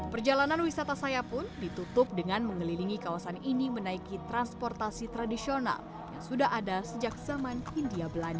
perjalanan wisata saya pun ditutup dengan mengelilingi kawasan ini menaiki transportasi tradisional yang sudah ada sejak zaman hindia belanda